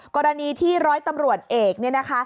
กรณีที่ร้อยตำรวจเอก